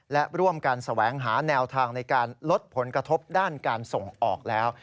และร่วมกันแสวงหาแนวทางในการลดผลกระทบด้านการส่งออกแล้ว